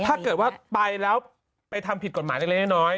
ถ้าเกิดว่าไปแล้วไปทำผิดกฎหมายเล็กน้อย